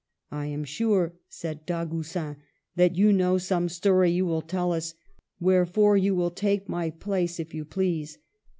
" I am sure," said Dagoucin, " that you know some story you will tell us ; wherefore you will take my place, if you please."